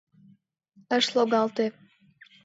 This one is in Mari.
Ыш логалте.